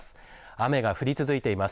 雨が降り続いています。